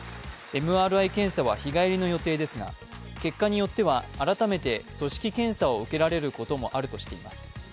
ＭＲＩ検査は日帰りの予定ですが結果によっては改めて組織検査を受けられることもあるとしています。